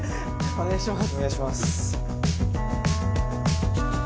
お願いします。